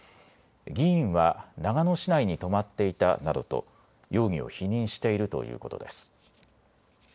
議員は長野市内に泊まっていたなどと容疑を否認しているということです。